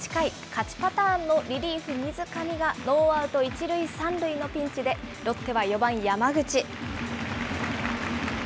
勝ちパターンのリリーフ、水上がノーアウト１塁３塁のピンチでロッテは４番山口。